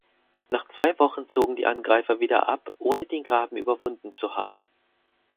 Nach zwei Wochen zogen die Angreifer wieder ab, ohne den Graben überwunden zu haben.